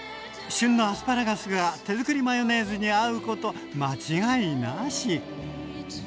旬のアスパラガスが手づくりマヨネーズに合うこと間違いなし！